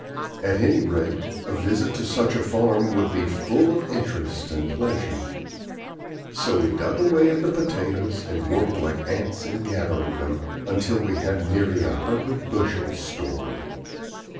At any rate, a visit to such a farm would be full of interest and pleasure. So we dug away at the potatoes, and worked like ants in gathering them, until we had nearly a hundred bushels stored.